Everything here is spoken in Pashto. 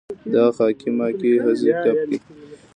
دغه خاکې ماکې هسې ګپ دی.